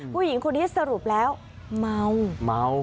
ผู้หญิงคนนี้สรุปแล้วเมาเมา